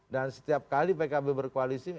dan setiap kali pkb berkoalisi